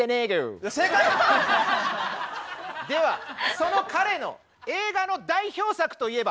その彼の映画の代表作といえば？